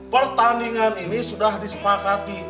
pertandingan ini sudah disepakati